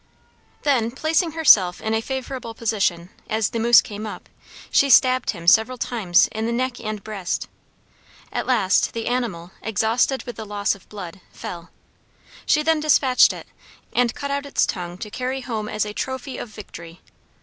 Then, placing herself in a favorable position, as the moose came up, she stabbed him several times in the neck and breast. At last the animal, exhausted with the loss of blood, fell. She then dispatched it, and cut out its tongue to carry home as a trophy of victory.